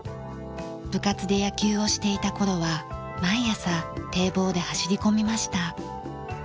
部活で野球をしていた頃は毎朝堤防で走り込みました。